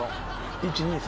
「１・２・３。